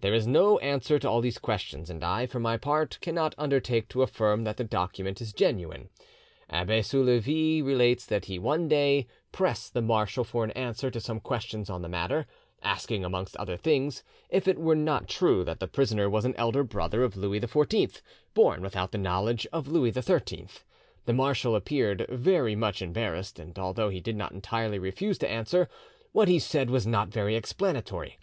There is no answer to all these questions, and I, for my part, cannot undertake to affirm that the document is genuine. Abbe Soulavie relates that he one day "pressed the marshal for an answer to some questions on the matter, asking, amongst other things, if it were not true that the prisoner was an elder brother of Louis XIV born without the knowledge of Louis XIII. The marshal appeared very much embarrassed, and although he did not entirely refuse to answer, what he said was not very explanatory.